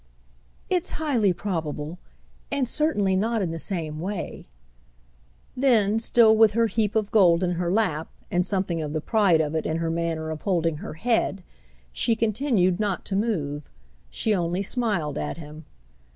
"It's highly probable—and certainly not in the same way." Then, still with her heap of gold in her lap and something of the pride of it in her manner of holding her head, she continued not to move—she only smiled at him.